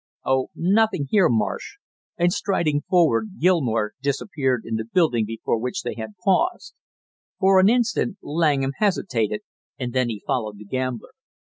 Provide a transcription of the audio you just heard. "Oh, nothing here, Marsh " and striding forward, Gilmore disappeared in the building before which they had paused. For an instant Langham hesitated, and then he followed the gambler.